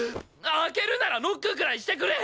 開けるならノックぐらいしてくれ！